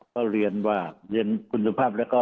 ก็เรียนว่าเรียนคุณสุภาพ